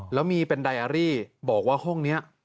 แล้วมีเป็นไดอารี่บอกว่าห้องนี้